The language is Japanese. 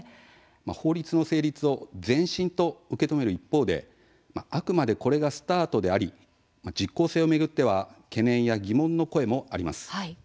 法律の成立を前進と受け止める一方であくまでこれがスタートであり実効性を巡っては懸念や疑問の声もあります。